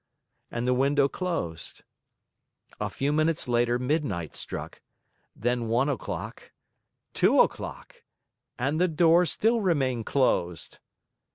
And the window closed. A few minutes later midnight struck; then one o'clock two o'clock. And the door still remained closed!